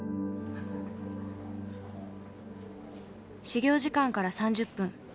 始業時間から３０分。